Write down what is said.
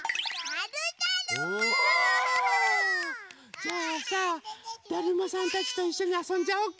じゃあさだるまさんたちといっしょにあそんじゃおうか。